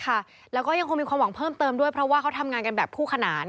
แล้วก็ยังคงมีความหวังเพิ่มเติมด้วยเพราะว่าเขาทำงานกันแบบคู่ขนาน